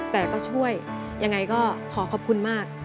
แต่ก็ช่วยยังไงก็ขอขอบคุณมาก